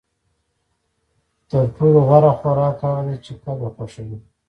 تر ټولو غوره خوراک هغه دی چې کب یې خوښوي